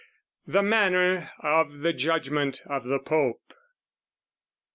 The manner of the judgment of the Pope.